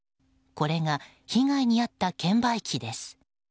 これが被害に遭った券売機です。